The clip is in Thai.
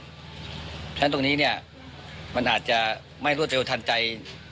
เพราะฉะนั้นตรงนี้เนี่ยมันอาจจะไม่รวดเร็วทันใจ